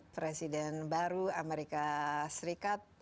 presiden baru amerika serikat